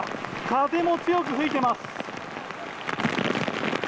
風も強く吹いています。